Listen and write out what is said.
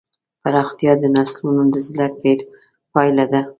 پراختیا د نسلونو د زدهکړې پایله ده.